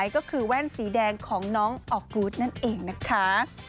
ก็คือแว่นสีแดงของน้องออกกูธนั่นเองนะคะ